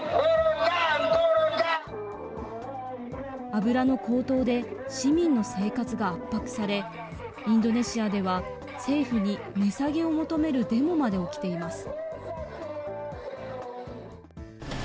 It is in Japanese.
油の高騰で、市民の生活が圧迫され、インドネシアでは政府に値下げを求めるデモまで起きています。